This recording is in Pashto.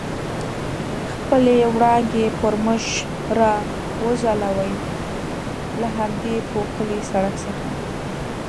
خپلې وړانګې پر موږ را وځلولې، له همدې پوښلي سړک څخه.